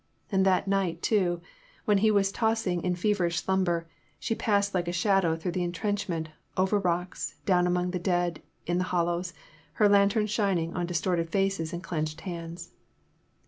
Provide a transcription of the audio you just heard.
And that night too, when he was tossing in feverish slumber, she passed like a shadow through the intrenchment, over rocks, down among the dead in the hollows, her lantern shining on distorted faces and clenched hands.